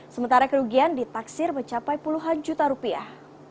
sementara kerugian ditaksir mencapai puluhan juta rupiah